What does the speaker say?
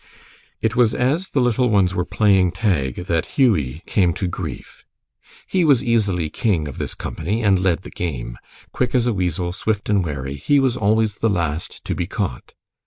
It was as the little ones were playing tag that Hughie came to grief. He was easily king of his company and led the game. Quick as a weasel, swift and wary, he was always the last to be caught.